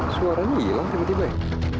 suaranya hilang tiba tiba ya